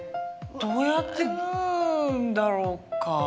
どうやって縫うんだろうか。